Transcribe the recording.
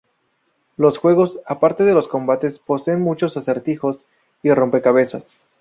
Los juegos, a parte de lo combates, poseen muchos acertijos y rompecabezas.